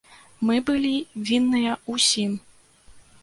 Мы былі вінныя ўсім.